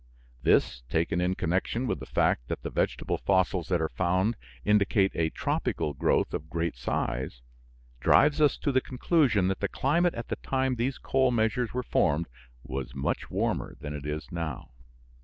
This, taken in connection with the fact that the vegetable fossils that are found indicate a tropical growth of great size, drives us to the conclusion that the climate at the time these coal measures were formed was much warmer than it is now.